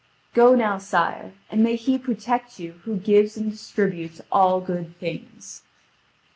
"Go now, sire, and may He protect you who gives and distributes all good things."